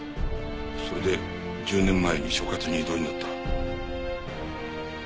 それで１０年前に所轄に異動になった。